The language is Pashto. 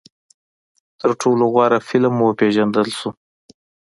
تر ټولو غوره فلم وپېژندل شو